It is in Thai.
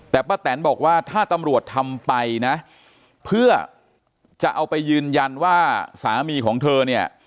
แต่ป้าแตนบอกว่าถ้าตำรวจทำไปนะเพื่อจะเอาไปยืนยันว่าสามีของเธอเนี่ย